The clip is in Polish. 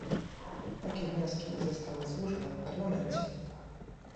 Takie wnioski zostały złożone w Parlamencie